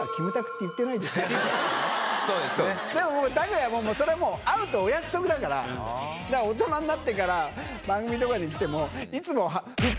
でも拓哉もそれはもう会うとお約束だからだから大人になってから番組とかに来ても。